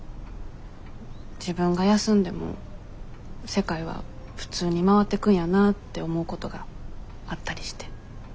自分が休んでも世界は普通に回ってくんやなって思うことがあったりして。